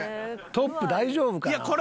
トップ大丈夫かな？